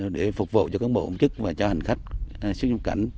để phục vụ cho cán bộ công chức và cho hành khách xuất nhập cảnh